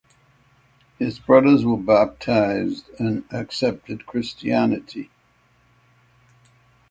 His brothers were baptised and accepted Christianity.